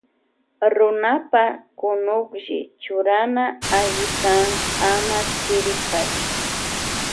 Runapa kunuklli churana alli kan ama chiri kachun.